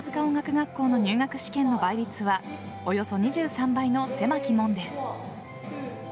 学校の入学試験の倍率はおよそ２３倍の狭き門です。